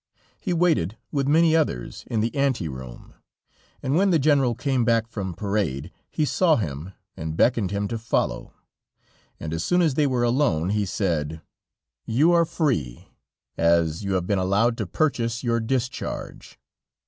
He waited, with many others, in the ante room, and when the General came back from parade, he saw him and beckoned him to follow, and as soon as they were alone, he said: "You are free, as you have been allowed to purchase your discharge."